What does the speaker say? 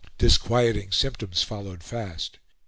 Disquieting symptoms followed fast.